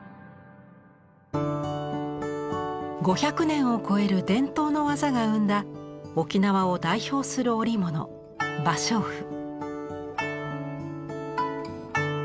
５００年を超える伝統の技が生んだ沖縄を代表する織物芭蕉布。